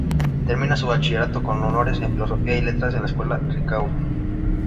Termina su bachillerato con honores en Filosofía y Letras en la Escuela Ricaurte.